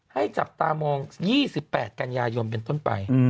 จับตามอง๒๘กันยายนเป็นต้นไป